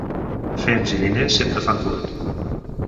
Fems i diners sempre fan curt.